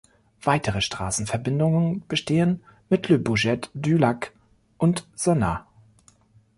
Weitere Straßenverbindungen bestehen mit Le Bourget-du-Lac und Sonnaz.